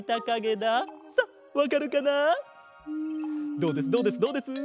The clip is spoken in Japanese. どうですどうですどうです？